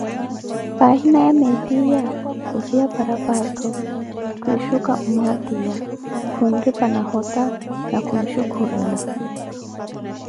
Payina ya meetiya khufiya paraphato, kwishuka mmwatiya, khunripha nahota na kushukurwela.